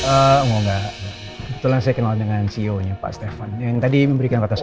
enggak kebetulan saya kenal dengan ceo nya pak stefan yang tadi memberikan kata sambutan